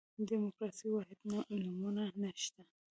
دیموکراسي واحده نمونه نه شته.